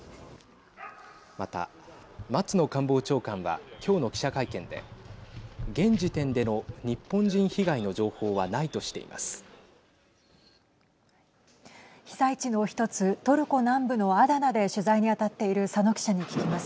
また、松野官房長官は今日の記者会見で現時点での日本人被害の情報はないとしています。